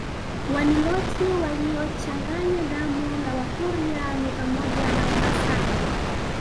Waniloti waliochanganya damu na Wakurya ni pamoja na Wamasai